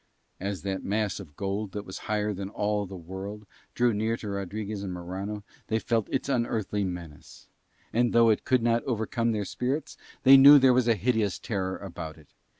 As that mass of gold that was higher than all the world drew near to Rodriguez and Morano they felt its unearthly menace; and though it could not overcome their spirits they knew there was a hideous terror about it.